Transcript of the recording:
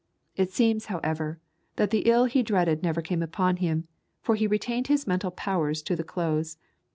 It seems, however, that the ill he dreaded never came upon him, for he retained his mental powers to the close.